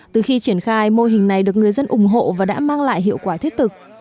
từ khi triển khai mô hình này được người dân ủng hộ và đã mang lại hiệu quả thiết thực